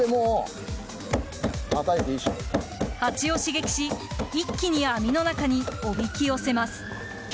ハチを刺激し一気に網の中におびき寄せます。